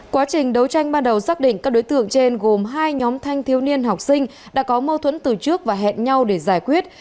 quá trình đấu tranh ban đầu xác định các đối tượng trên gồm hai nhóm thanh thiếu niên học sinh đã có mâu thuẫn từ trước và hẹn nhau để giải quyết